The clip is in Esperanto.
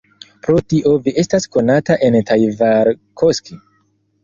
Pro kio vi estas konata en Taivalkoski?